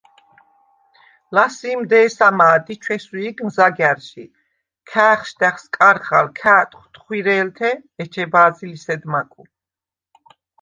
ლასი̄მ დე̄სა მა̄დ ი ჩვესუ̄̈გნ ზაგა̈რჟი. ქა̄̈ხშდა̈ხ სკარხალ, ქა̄̈ტვხ თხუ̈რე̄ლთე. ეჩე ბა̄ზი ლისედ მაკუ.